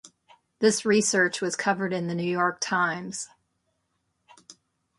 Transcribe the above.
This research was covered in The New York Times.